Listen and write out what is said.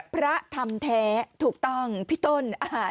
พระธรรมแท้ถูกต้องพี่ต้น